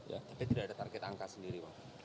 tapi tidak ada target angka sendiri bang